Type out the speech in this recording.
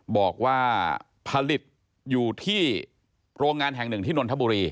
บอกว่าผลิตอยู่ที่โรงงานแห่งหนึ่งที่นนทบุรี